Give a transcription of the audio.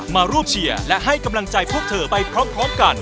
มาร่วมเชียร์และให้กำลังใจพวกเธอไปพร้อมกัน